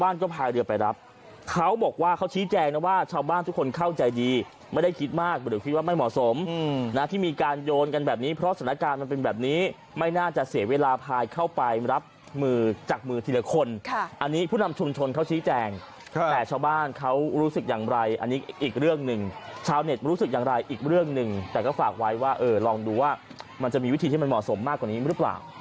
บ้านก็พายเรือไปรับเขาบอกว่าเขาชี้แจงว่าชาวบ้านทุกคนเข้าใจดีไม่ได้คิดมากหรือคิดว่าไม่เหมาะสมนะที่มีการโยนกันแบบนี้เพราะสถานการณ์มันเป็นแบบนี้ไม่น่าจะเสียเวลาพายเข้าไปรับมือจากมือทีละคนอันนี้ผู้นำชุมชนเขาชี้แจงแต่ชาวบ้านเขารู้สึกอย่างไรอันนี้อีกเรื่องหนึ่งชาวเน็ตรู้สึกอย่างไรอีกเร